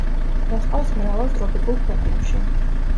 მოჰყავთ მრავალ ტროპიკულ ქვეყნებში.